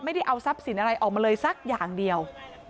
ไม่ได้เอาทรัพย์สินอะไรออกมาเลยสักอย่างเดียว